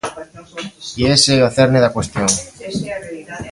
E ese é o cerne da cuestión.